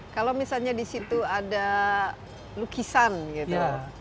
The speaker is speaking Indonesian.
kalau misalnya di situ ada lukisan gitu